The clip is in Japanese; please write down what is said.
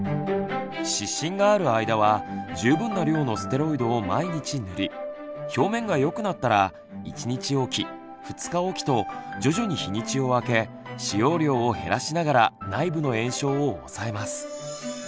湿疹がある間は十分な量のステロイドを毎日塗り表面がよくなったら１日おき２日おきと徐々に日にちを空け使用量を減らしながら内部の炎症をおさえます。